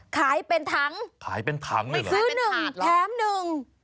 ขายเป็นทั้งไม่ซื้อหนึ่งแถมหนึ่ง